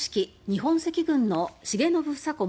日本赤軍の重信房子